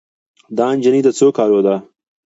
دا نجلۍ د څو کالو ده